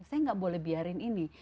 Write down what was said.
saya nggak boleh biarin ini